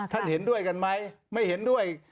เห็นด้วยกันไหมไม่เห็นด้วย